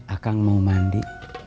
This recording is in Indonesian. akang mau mandi